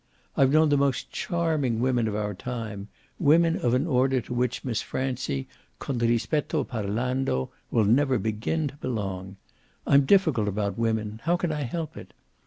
I've known the most charming women of our time women of an order to which Miss Francie, con rispetto parlando, will never begin to belong. I'm difficult about women how can I help it?